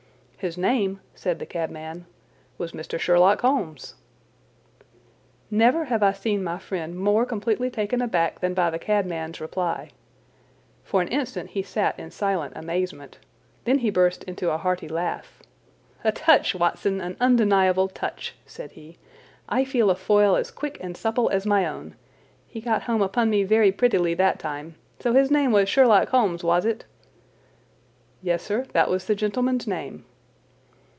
"His name," said the cabman, "was Mr. Sherlock Holmes." Never have I seen my friend more completely taken aback than by the cabman's reply. For an instant he sat in silent amazement. Then he burst into a hearty laugh. "A touch, Watson—an undeniable touch!" said he. "I feel a foil as quick and supple as my own. He got home upon me very prettily that time. So his name was Sherlock Holmes, was it?" "Yes, sir, that was the gentleman's name."